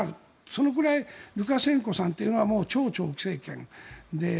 そのくらいルカシェンコさんというのは超長期政権。